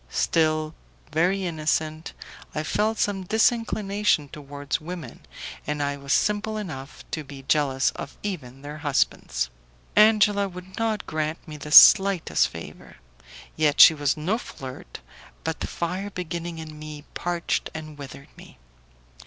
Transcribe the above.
Still very innocent, I felt some disinclination towards women, and I was simple enough to be jealous of even their husbands. Angela would not grant me the slightest favour, yet she was no flirt; but the fire beginning in me parched and withered me.